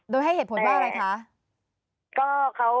โดยให้เหตุผลว่าอะไรคะ